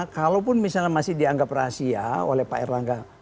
kalaupun misalnya masih dianggap rahasia oleh pak erlangga